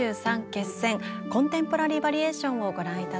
決選コンテンポラリー・バリエーションをご覧頂きました。